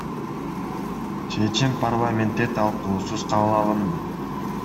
Чечим парламентте талкуусуз кабыл алынды.